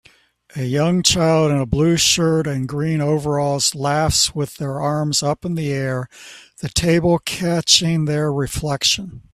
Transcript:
A young child in a blue shirt and green overalls laughs with their arms up in the air the table catching their reflection